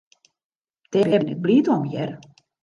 Dêr bin ik bliid om, hear.